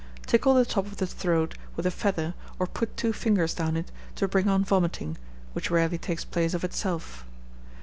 Tickle the top of the throat with a feather, or put two fingers down it to bring on vomiting, which rarely takes place of itself.